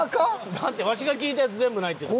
だってわしが聞いたやつ「全部ない」って言うた。